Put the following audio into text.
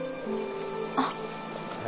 あっ。